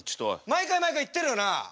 毎回毎回言ってるよな。